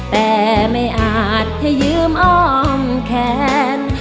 แต่ไม่อาจเธอยืมอ้อมแขน